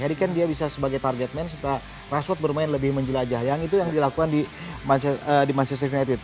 harry kan dia bisa sebagai target man serta rashford bermain lebih menjelajah yang itu yang dilakukan di manchester united